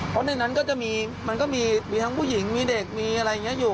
เพราะในนั้นก็จะมีมันก็มีทั้งผู้หญิงมีเด็กมีอะไรอย่างนี้อยู่